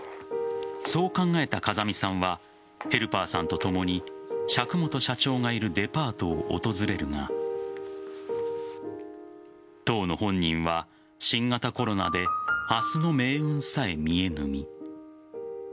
そう考えた風見さんはヘルパーさんとともに笏本社長がいるデパートを訪れるが当の本人は新型コロナで明日の命運さえ見えぬ身。